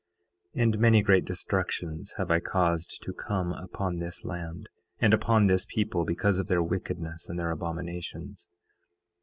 9:12 And many great destructions have I caused to come upon this land, and upon this people, because of their wickedness and their abominations.